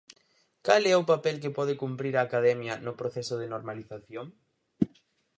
Cal é o papel que pode cumprir a Academia no proceso de normalización?